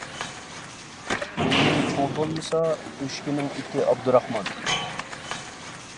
ئۆينىڭ چوڭى بولمىسا، ئۆچكىنىڭ ئېتى ئابدۇراخمان.